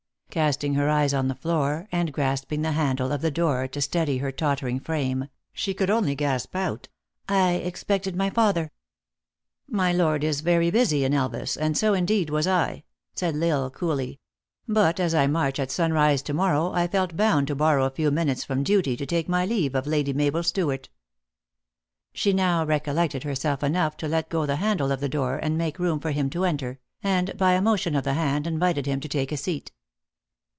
Casting her eyes on the floor, and grasping the handle of the door, to steady her tottering frame, she could only gasp out, " I expected my father." " My lord is very busy in Elvas, and so indeed was I," said L Isle, coolly ;" but, as I march at sunrise to morrow, I felt bound to borrow a few minutes from duty to take my leave of Lady Mabel Stewart." She now recollected herself enough to let go the handle of the door, and make room for him to enter, and, by a motion of the hand, invited him to take a seat.